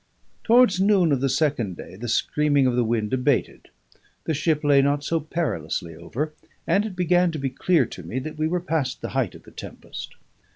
Towards noon of the second day the screaming of the wind abated; the ship lay not so perilously over, and it began to be clear to me that we were past the height of the tempest.